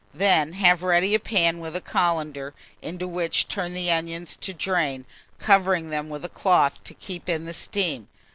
Then have ready a pan with a colander, into which turn the onions to drain, covering them with a cloth to keep in the steam.